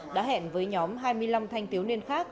đã hẹn với nhóm hai mươi năm thanh thiếu niên khác